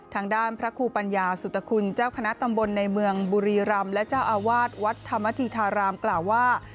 ทางด้านพระครูปัญญาสุตคุณเจ้าคณะตำบลในเมืองบุรีรำและเจ้าอาวาสวัดธรรมธีธารามกล่าวว่า